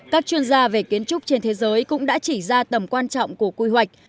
các chuyên gia về kiến trúc trên thế giới cũng đã chỉ ra tầm quan trọng của quy hoạch